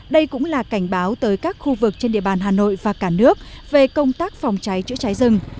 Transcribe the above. đây cũng là cảnh báo tới các khu vực trên địa bàn hà nội và cả nước về công tác phòng cháy chữa cháy rừng